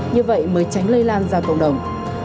như vậy mới tránh lây lan ra cộng đồng